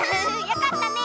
よかったね。